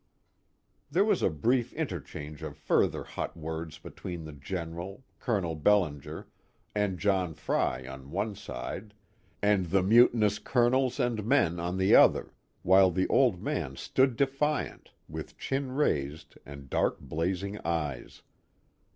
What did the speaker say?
There was a brief interchange of further hot words between the General, Colonel Bellinger, and John Frey on one side, and the mutinous colonels and men on the other, while the old man stood defiant, with chin raised and dark blazing eyes.